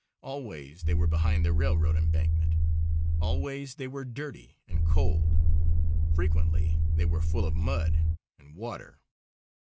Always they were behind the railroad embankment. Always they were dirty and cold. Frequently they were full of mud and water.